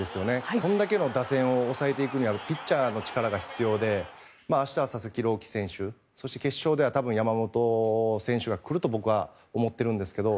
これだけの打線を抑えていくにはピッチャーの力が必要で明日は佐々木朗希選手決勝では山本選手が来ると僕は思っているんですけど。